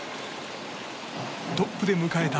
トップで迎えた